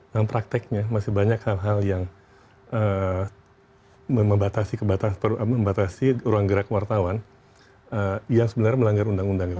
dan prakteknya masih banyak hal hal yang membatasi ruang gerak wartawan yang sebenarnya melanggar undang undang ya